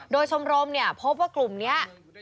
โดยชมรมพบว่ากลุ่มนี้